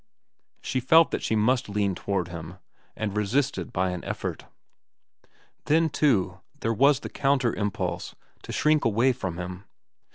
She felt that she must lean toward him, and resisted by an effort. Then, too, there was the counter impulse to shrink away from him.